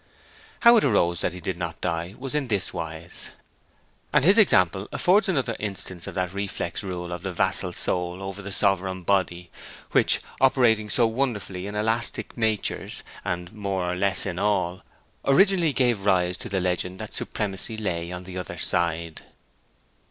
How it arose that he did not die was in this wise; and his example affords another instance of that reflex rule of the vassal soul over the sovereign body, which, operating so wonderfully in elastic natures, and more or less in all, originally gave rise to the legend that supremacy lay on the other side.